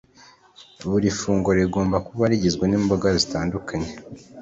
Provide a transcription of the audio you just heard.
Buri funguro rigomba kuba rigizwe n’imboga zitandukanye